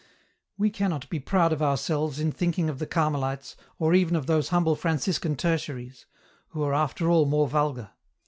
" We cannot be proud of ourselves, in thinking of the Carmelites, or even of those humble Franciscan Tertiaries, who are after all more vulgar.